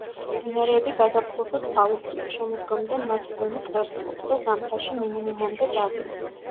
მდინარეები გაზაფხულზე წყალუხვია, შემოდგომიდან მათი დონე კლებულობს და ზამთარში მინიმუმამდე დადის.